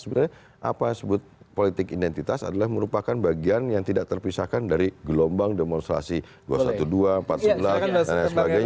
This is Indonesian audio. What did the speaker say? sebenarnya apa sebut politik identitas adalah merupakan bagian yang tidak terpisahkan dari gelombang demonstrasi dua ratus dua belas empat ratus sebelas dan lain sebagainya